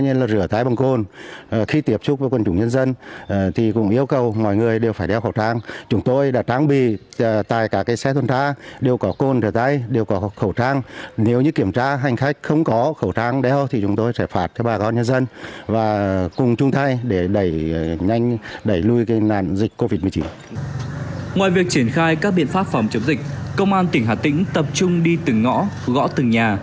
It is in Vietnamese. ngoài việc triển khai các biện pháp phòng chống dịch công an tỉnh hà tĩnh tập trung đi từng ngõ gõ từng nhà